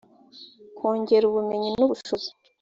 kongera ubumenyi n ubushobozi